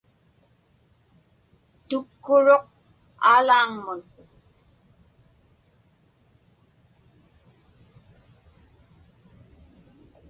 Tukkuruq Aalaaŋmun.